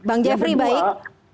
bang jeffrey baik